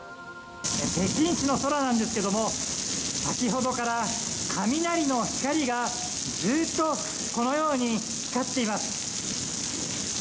北京市の空なんですけども先ほどから雷の光がずっとこのように光っています。